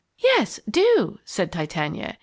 "Yes, do," said Titania.